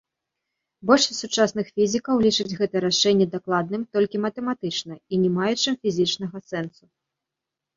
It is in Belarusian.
Большасць сучасных фізікаў лічаць гэта рашэнне дакладным толькі матэматычна і не маючым фізічнага сэнсу.